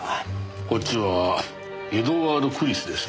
こっちはエドワード・クリスですね。